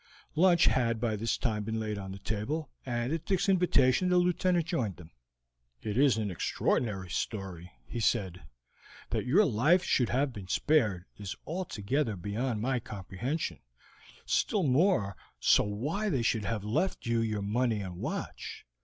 Lunch had by this time been laid on the table, and at Dick's invitation the Lieutenant joined them. "It is an extraordinary story!" he said. "That your life should have been spared is altogether beyond my comprehension, still more so why they should have left you your money and watch."